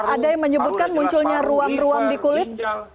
ada yang menyebutkan munculnya ruang ruang di kulit